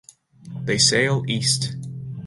They sail east.